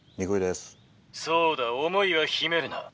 「そうだ思いは秘めるな。